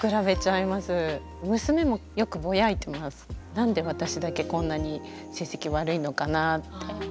なんで私だけこんなに成績悪いのかなって。